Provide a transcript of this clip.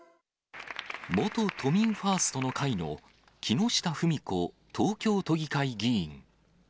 元都民ファーストの会の木下富美子東京都議会議員。